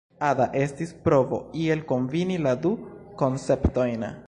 Ada estis provo iel kombini la du konceptojn.